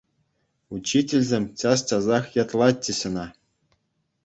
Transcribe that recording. Учительсем час-часах ятлатчӗҫ ӑна.